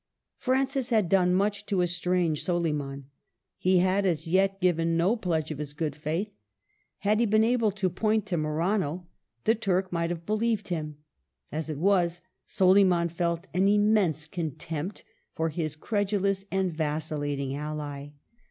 Francis had done much to estrange Soliman ; he had as yet given no pledge of his good faith. Had he been able to point to Marano, the Turk THE LEAGUE WITH SOLIMAN. 193 might have beheved him. As it was, Soliman felt an immense contempt for his credulous and vacillating ally.